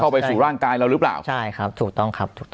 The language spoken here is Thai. ไปสู่ร่างกายเราหรือเปล่าใช่ครับถูกต้องครับถูกต้อง